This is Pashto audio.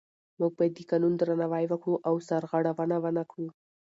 موږ باید د قانون درناوی وکړو او سرغړونه ونه کړو